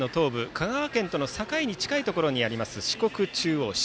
香川県との境に近いところにある四国中央市。